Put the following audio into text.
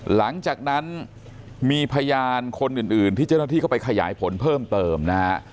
หลังจากนั้นมีพยานคนอื่นที่เจ้าหน้าที่เข้าไปขยายผลเพิ่มเติมนะฮะ